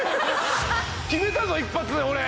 決めたぞ一発で俺。